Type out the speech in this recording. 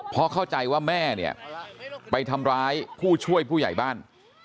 เพราะเข้าใจว่าแม่เนี่ยไปทำร้ายผู้ช่วยผู้ใหญ่บ้าน